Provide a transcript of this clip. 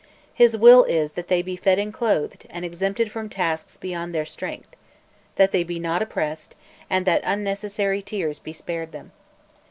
His will is that they be fed and clothed, and exempted from tasks beyond their strength; that they be not oppressed, and that unnecessary tears be spared them.